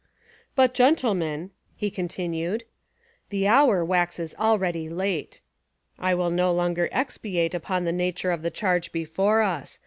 "But, gentlemen," he continued, "the hour waxes already late. I will no longer expatiate upon the nature of the charge before us.